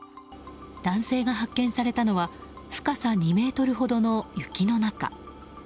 男性が発見されたのは深さ２ｍほどの雪の中。